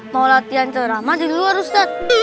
mau latihan ceramah di luar ustadz